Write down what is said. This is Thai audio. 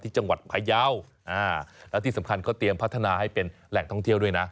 จังหวัดพยาวและที่สำคัญเขาเตรียมพัฒนาให้เป็นแหล่งท่องเที่ยวด้วยนะ